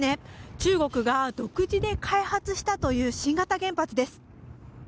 中国が独自で開発したという新型原発です。